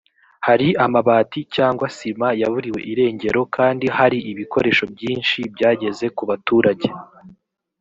hari amabati cyangwa sima yaburiwe irengero kandi hari ibikoresho byinshi byageze ku baturage